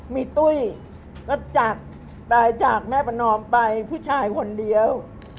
มีตุ้ยก็จากตายจากแม่ประนอมไปผู้ชายคนเดียว